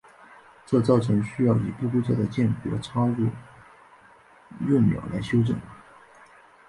这造成需要以不规则的间隔插入闰秒来修正。